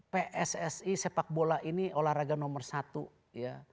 pssi sepak bola ini olahraga nomor satu ya